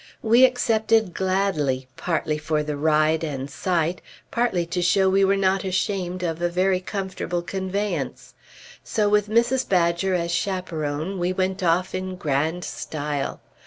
We accepted gladly, partly for the ride and sight, partly to show we were not ashamed of a very comfortable conveyance; so with Mrs. Badger as chaperon, we went off in grand style.